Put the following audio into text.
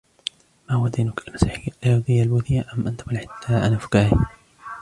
ما هو دينك؟ المسيحية؟ اليهودية؟ البوذية؟ أم أنك ملحد "لا، أنا فكاهي!"